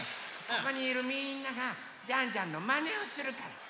ここにいるみんながジャンジャンのまねをするから。